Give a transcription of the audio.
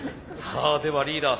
さあではリーダー